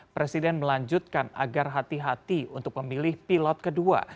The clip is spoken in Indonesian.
presiden melanjutkan agar hati hati untuk memilih pilot kedua